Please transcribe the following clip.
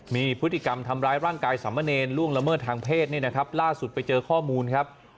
มีพฤติกรรมทำร้ายร่างกายสามเณรล่วงละเมิดทางเพศนี่นะครับล่าสุดไปเจอข้อมูลครับ